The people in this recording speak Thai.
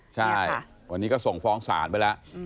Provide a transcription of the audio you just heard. ใช่วันนี้ก็ส่งฟ้องศาลไปแล้ว